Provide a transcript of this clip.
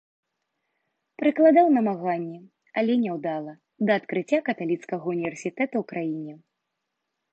Прыкладаў намаганні, але няўдала, да адкрыцця каталіцкага ўніверсітэта ў краіне.